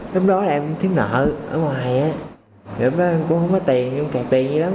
lúc đó em thiếu nợ ở ngoài lúc đó em cũng không có tiền em kẹt tiền như lắm